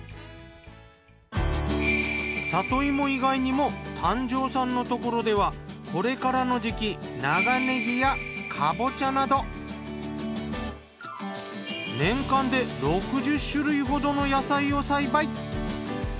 里芋以外にも丹上さんのところではこれからの時期長ねぎやかぼちゃなど年間で６０種類ほどの野菜を栽培。